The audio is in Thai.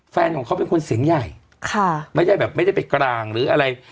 แฟนของเขาเป็นคนเสียงใหญ่ค่ะไม่ได้แบบไม่ได้ไปกลางหรืออะไร